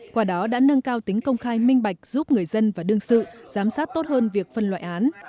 qua đó đã nâng cao tính công khai minh bạch giúp người dân và đương sự giám sát tốt hơn việc phân loại án